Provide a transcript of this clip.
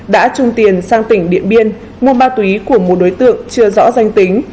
đã chung tiền sang tỉnh điện biên mua ma túy của một đối tượng chưa rõ danh tính